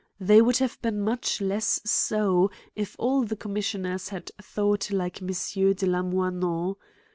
They would have been much less so, if all the commissioners had thought like Monsieur de Lamoignon.